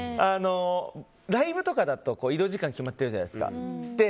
ライブとかだと移動時間決まってるじゃないですか。